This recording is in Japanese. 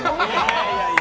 いやいや。